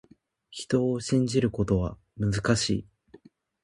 人を信じるということは、難しい。